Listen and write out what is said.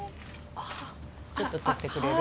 ちょっと取ってくれる？